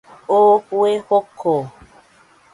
Oo fue joko